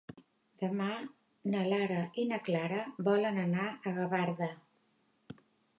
Demà na Lara i na Clara volen anar a Gavarda.